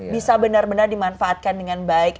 bisa benar benar dimanfaatkan dengan baik